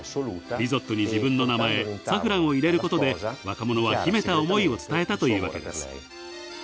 リゾットに自分の名前サフランを入れる事で若者は秘めた思いを伝えたというわけです。